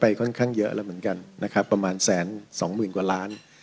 ค่อนข้างเยอะแล้วเหมือนกันนะครับประมาณแสนสองหมื่นกว่าล้าน